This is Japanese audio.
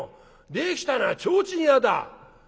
できたのは提灯屋だ」。